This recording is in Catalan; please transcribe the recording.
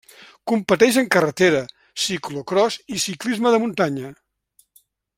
Competeix en carretera, ciclocròs i ciclisme de muntanya.